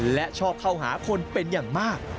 และชอบเข้าหาคนเป็นอย่างมาก